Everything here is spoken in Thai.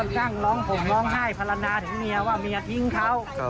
นั่งร้องผมร้องไห้ภาระนาถึงเมียว่าเมียทิ้งเขา